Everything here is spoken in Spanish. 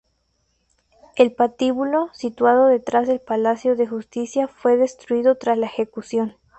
El patíbulo situado detrás del Palacio de Justicia fue destruido tras la ejecución.